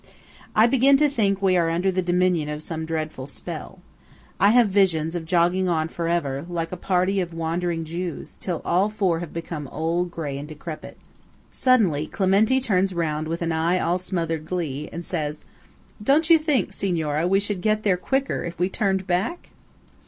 I begin to think we are under the dominion of some dreadful spell. I have visions of jogging on for ever, like a party of Wandering Jews, till all four have become old, grey, and decrepit. Suddenly Clementi turns round with an eye all smothered glee, and says:– "Don't you think, Signora, we should get there quicker if we turned back?"